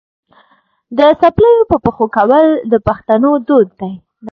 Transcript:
د څپلیو په پښو کول د پښتنو دود دی.